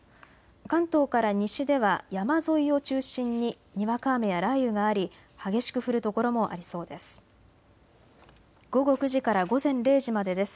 関東から西では山沿いを中心ににわか雨や雷雨があり激しく降る所もありそうです。